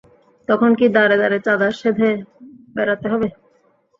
তখন কি দ্বারে দ্বারে চাঁদা সেধে বেড়াতে হবে?